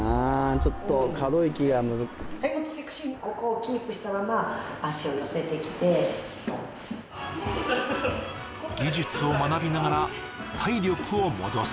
ちょっとはいもっとセクシーにここをキープしたまま足を寄せてきて技術を学びながら体力を戻す